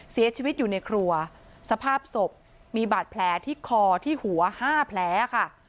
เสียชีวิตอยู่ในครัวสภาพศพมีบาดแผลที่คอที่หัวห้าแผลค่ะ